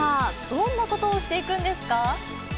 どんなことをしていくんですか？